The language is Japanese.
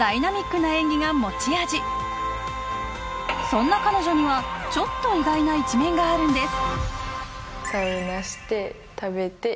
そんな彼女にはちょっと意外な一面があるんです。